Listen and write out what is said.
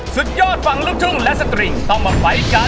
สุดยอดฝั่งลูกทุ่งและสตริงต้องมาไฟล์กัน